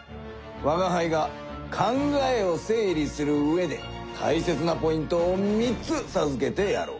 わがはいが考えを整理するうえでたいせつなポイントを３つさずけてやろう。